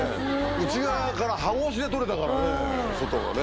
内側から歯越しで撮れたからね外がね。